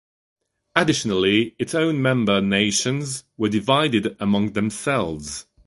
Additionally, its own member nations were divided among themselves.